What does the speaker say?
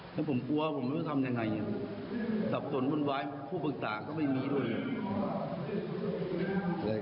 ถ้าผมกลัวผมไม่รู้จะทำยังไงสับสนวุ่นวายผู้ปรึกษาก็ไม่มีด้วยเลย